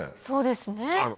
そうですね。